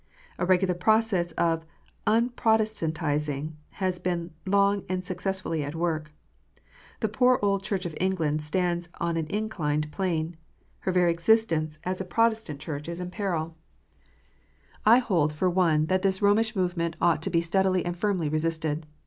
A regular process of unprotestantizing has been long and successfully at work. The poor old Church of England stands on an inclined plane. Her very existence as a Protestant Church, is in peril. 2 D 418 KNOTS UNTIED. I hold, for one, that this Romish movement ought to be steadily and firmly resisted.